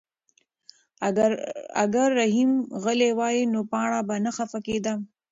اگر رحیم غلی وای نو پاڼه به نه خفه کېده.